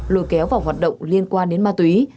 lôi kéo vào hoạt động liên quan đến ma túy